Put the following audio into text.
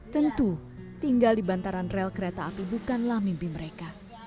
tentu tinggal di bantaran rel kereta api bukanlah mimpi mereka